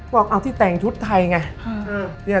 บอกเอาที่แต่งชุดไทยไง